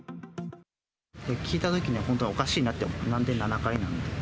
聞いたときには、本当におかしいなと、なんで７階なんだろう。